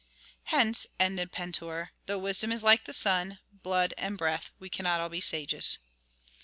"Hence," ended Pentuer, "though wisdom is like the sun, blood and breath, we cannot all be sages."